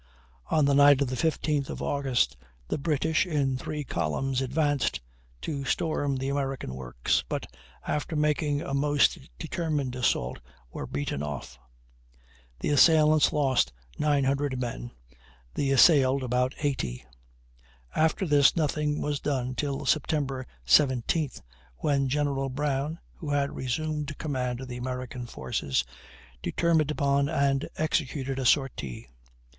On the night of the 15th of August, the British in three columns advanced to storm the American works, but after making a most determined assault were beaten off. The assailants lost 900 men, the assailed about 80. After this nothing was done till Sept. 17th, when General Brown, who had resumed command of the American forces, determined upon and executed a sortie.